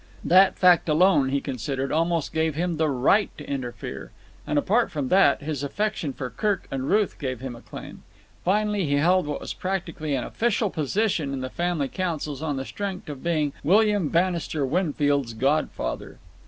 That fact alone, he considered, almost gave him the right to interfere. And, apart from that, his affection for Kirk and Ruth gave him a claim. Finally, he held what was practically an official position in the family councils on the strength of being William Bannister Winfield's godfather.